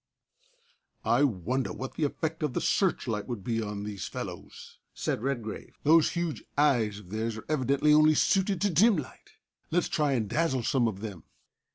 "I wonder what the effect of the searchlight would be on these fellows!" said Redgrave. "Those huge eyes of theirs are evidently only suited to dim light. Let's try and dazzle some of them."